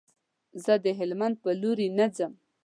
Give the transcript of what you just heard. زه د هلمند په لوري نه ځم.